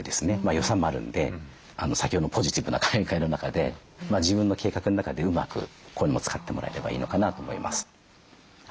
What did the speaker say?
予算もあるんで先ほどのポジティブな買い替えの中で自分の計画の中でうまくこういうのも使ってもらえればいいのかなと思います。